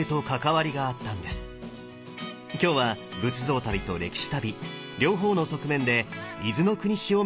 今日は仏像旅と歴史旅両方の側面で伊豆の国市を巡ります。